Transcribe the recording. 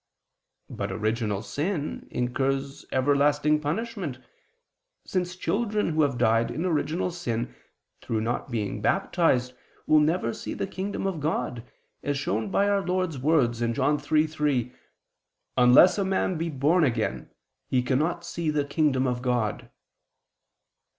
But original sin incurs everlasting punishment, since children who have died in original sin through not being baptized, will never see the kingdom of God, as shown by our Lord's words (John 3:3): "Unless a man be born again, he cannot see the kingdom of God."